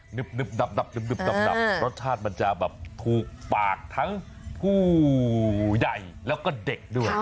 นึบดับรสชาติมันจะแบบถูกปากทั้งผู้ใหญ่แล้วก็เด็กด้วย